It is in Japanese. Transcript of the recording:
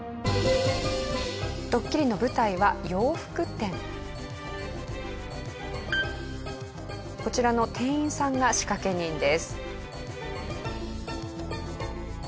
ドッキリのこちらの店員さんが仕掛け人です。